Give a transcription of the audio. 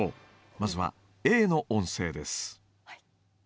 まずはＡの音声です。